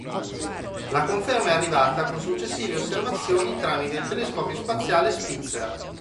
La conferma è arrivata con successive osservazioni tramite il telescopio spaziale Spitzer.